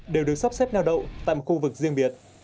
đều được sắp xếp neo đậu tại khu vực riêng biệt